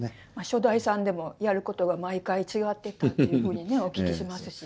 初代さんでもやることが毎回違ってたというふうにねお聞きしますし。